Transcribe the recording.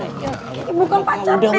ibu kan pacar nek